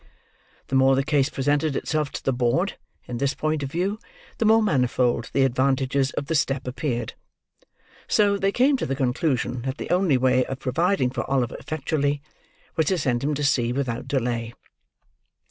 The more the case presented itself to the board, in this point of view, the more manifold the advantages of the step appeared; so, they came to the conclusion that the only way of providing for Oliver effectually, was to send him to sea without delay.